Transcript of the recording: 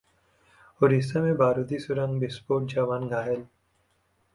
ओडिशा में बारूदी सुरंग विस्फोट, जवान घायल